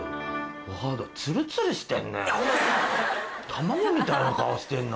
卵みたいな顔してるな。